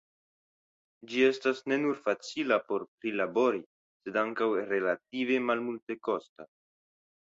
Ĝi estas ne nur facila por prilabori sed ankaŭ relative malmultekosta.